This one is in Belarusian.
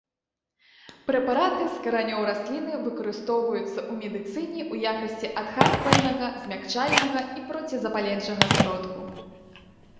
Прэпараты з каранёў расліны выкарыстоўваюцца ў медыцыне ў якасці адхарквальнага, змякчальнага і процізапаленчага сродку.